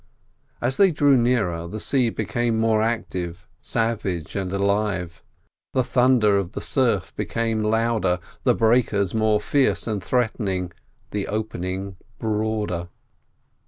As they drew nearer, the sea became more active, savage, and alive; the thunder of the surf became louder, the breakers more fierce and threatening, the opening broader.